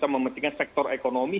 pentingnya sektor ekonomi